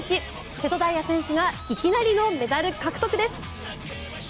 瀬戸大也選手がいきなりのメダル獲得です。